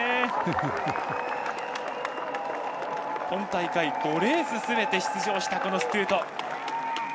今大会５レースすべて出場したストゥート。